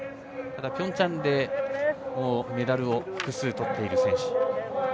ただ、ピョンチャンではメダルを複数とっている選手。